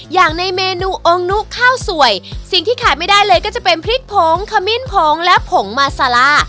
อย่างในเมนูองค์นุข้าวสวยสิ่งที่ขาดไม่ได้เลยก็จะเป็นพริกผงขมิ้นผงและผงมาซาร่า